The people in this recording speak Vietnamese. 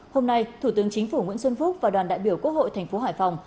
hôm nay thủ tướng chính phủ nguyễn xuân phúc và đoàn đại biểu quốc hội thành phố hải phòng